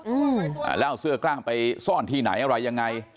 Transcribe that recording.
อืมอ่าแล้วเอาเสื้อกล้างไปซ่อนที่ไหนอะไรยังไง